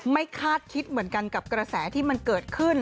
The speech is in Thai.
คาดคิดเหมือนกันกับกระแสที่มันเกิดขึ้น